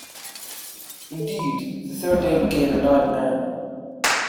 Indeed, the third day became a nightmare.